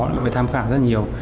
nó phải tham khảo rất nhiều